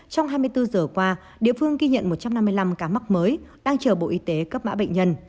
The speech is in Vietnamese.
trong hai mươi bốn giờ qua địa phương ghi nhận một trăm năm mươi năm ca mắc mới đang chờ bộ y tế cấp mã bệnh nhân